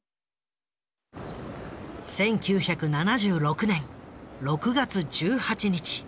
１９７６年６月１８日。